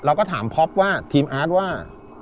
แล้วเราถามพ๊อปว่าทีมอาร์สว่า